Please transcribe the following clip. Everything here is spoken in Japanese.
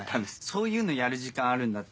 そういうのやる時間あるんだったらお前